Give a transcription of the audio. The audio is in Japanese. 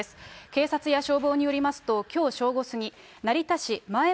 警察や消防によりますと、きょう正午過ぎ、成田市まえ